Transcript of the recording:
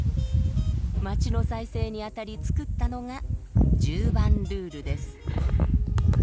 街の再生にあたり作ったのが「十番ルール」です。